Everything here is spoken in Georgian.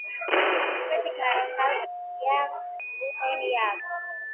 სამხრეთი კარის თავზე ღია ლუნეტი აქვს.